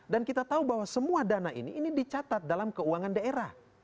dan kita tahu bahwa semua dana ini ini dicatat dalam keuangan daerah